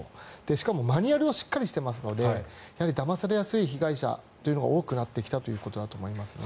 しかも、マニュアルがしっかりしていますのでだまされやすい被害者というのが多くなってきたということだと思いますね。